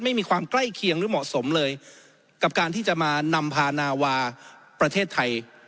ไม่มีความใกล้เคียงหรือเหมาะสมเลยกับการที่จะมานำพานาวาประเทศไทย